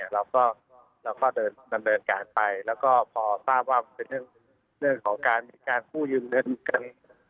เราก็เดินการไปและพอทราบว่ามีการคู่ยืนเงินกัน